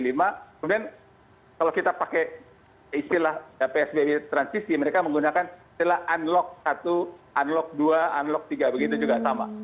kemudian kalau kita pakai istilah psbb transisi mereka menggunakan istilah unlock satu unlock dua unlock tiga begitu juga sama